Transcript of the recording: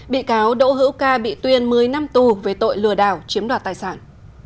bị cáo đỗ hữu ca bị tuyên một mươi năm tù về tội lừa đảo chiếm đoạt tài sản